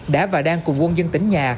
đã và đang cùng quân dân tỉnh nhà